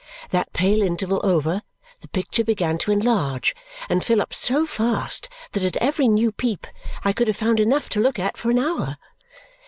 That pale interval over, the picture began to enlarge and fill up so fast that at every new peep I could have found enough to look at for an hour.